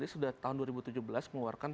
sudah tahun dua ribu tujuh belas mengeluarkan